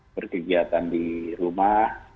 berkegiatan di rumah